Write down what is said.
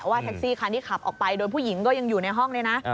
ว่าแท็กซี่คันที่ขับออกไปโดยผู้หญิงก็ยังอยู่ในห้องเลยนะ